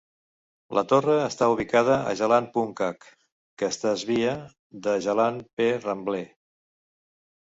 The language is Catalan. La Torre està ubicada a Jalan Puncak, que es desvia de Jalan P. Ramlee.